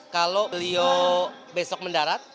kalau beliau besok mendarat